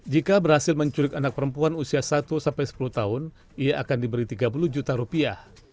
jika berhasil menculik anak perempuan usia satu sampai sepuluh tahun ia akan diberi tiga puluh juta rupiah